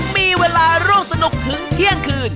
มีเวลาร่วมสนุกถึงเที่ยงคืน